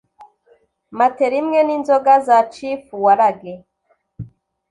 matela imwe n’ inzoga za Chief Waragi